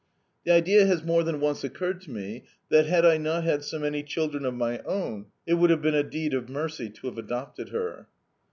The idea has more than once occurred to me that, had I not had so many children of my own, it would have been a deed of mercy to have adopted her.